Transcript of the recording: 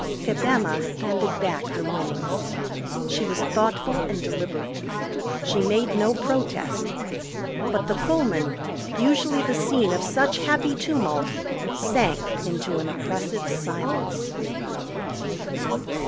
Pip Emma handed back her winnings. She was thoughtful and deliberate. She made no protest. But the Pullman, usually the scene of such happy tumult, sank into an oppressive silence.